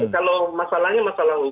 kalau masalahnya masalah hukum